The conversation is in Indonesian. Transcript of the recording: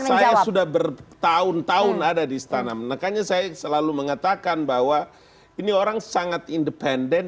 saya sudah bertahun tahun ada di istana menekannya saya selalu mengatakan bahwa ini orang sangat independen